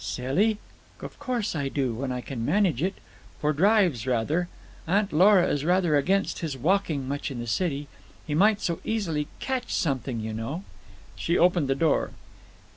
"Silly! Of course I do, when I can manage it. For drives, rather. Aunt Lora is rather against his walking much in the city. He might so easily catch something, you know." She opened the door.